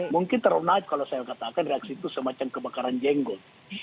mungkin terlalu night kalau saya katakan reaksi itu semacam kebakaran jenggot